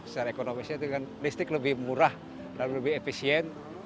secara ekonomisnya listrik lebih murah dan lebih efisien